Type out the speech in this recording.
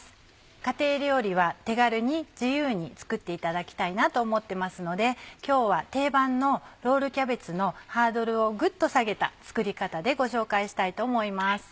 家庭料理は手軽に自由に作っていただきたいなと思ってますので今日は定番のロールキャベツのハードルをぐっと下げた作り方でご紹介したいと思います。